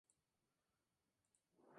Su especialidad es la maratón.